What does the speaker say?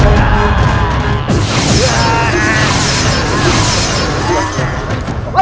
bagaikan fa salir kesawa